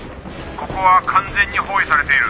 ここは完全に包囲されている」